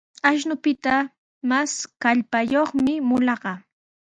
Ashnupita mas kallpayuqmi mulaqa.